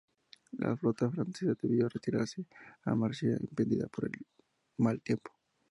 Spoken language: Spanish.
La flota francesa debió retirarse a Marsella, impedida por el mal tiempo.